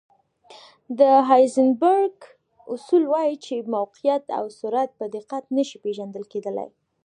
د هایزنبرګ اصول وایي چې موقعیت او سرعت په دقت نه شي پېژندل کېدلی.